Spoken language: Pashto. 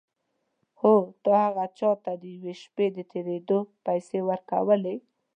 هو تا هغه چا ته د یوې شپې د تېرېدو پيسې ورکولې.